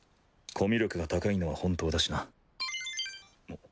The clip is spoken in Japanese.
コミュ力が高いのは本当だしな